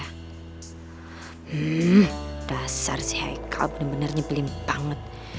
hmm dasar si haikal bener bener nyempelin banget